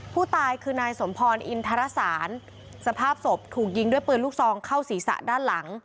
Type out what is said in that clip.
ผู้ตายคือนายสมพรอินทรสารสภาพศพถูกยิงด้วยปืนลูกซองเข้าศีรษะด้านหลัง